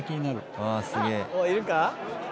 おっいるか？